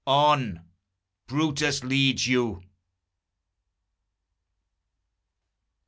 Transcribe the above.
On! Brutus leads you!